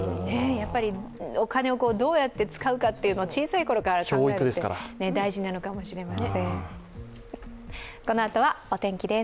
お金をどうやって使うかというのを小さいころから考えるのは大事なのかもしれません。